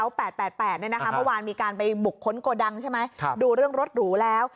เมื้อวานพี่ปเกี้ยการไปบุกคนโกดังดูเรื่องลดหรูแล้ว